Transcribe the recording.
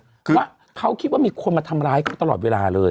เพราะว่าเขาคิดว่ามีคนมาทำร้ายเขาตลอดเวลาเลย